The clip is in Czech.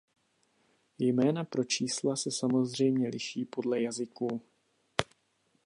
Jména pro čísla se samozřejmě liší podle jazyků.